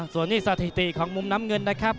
ส่วนนี้สถิติของมุมน้ำเงินนะครับ